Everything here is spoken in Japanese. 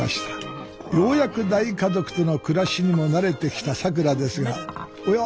ようやく大家族との暮らしにも慣れてきたさくらですがおや？